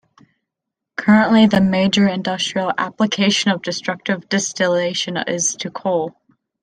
Currently the major industrial application of destructive distillation is to coal.